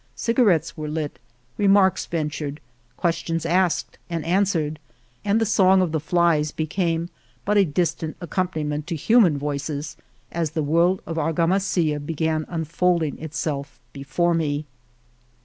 Cigarettes were lit, remarks ventured, questions asked and answered, and the song of the flies became but a distant accom paniment to human voices as the world of Argamasilla began unfolding itself before me.